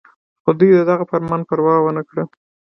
خو دوي د دغه فرمان پروا اونکړه